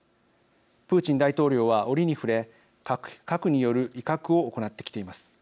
プーチン大統領は折に触れ核による威嚇を行ってきています。